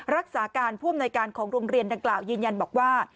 รักษาการผู้อำนวยการของโรงเรียนดังกล่าวยืนยันบอกว่า